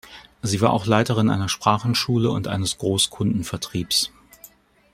Sie war auch Leiterin einer Sprachenschule und eines Groß-Kundenvertriebs.